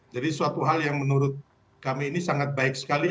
jadi suatu hal yang menurut kami ini sangat baik sekali